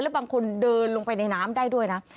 บางคนเดินลงไปในน้ำได้ด้วยนะ